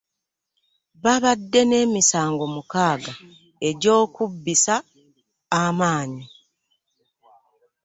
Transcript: Babadde n'emisango mukaaga egy'okubbisa amanyi.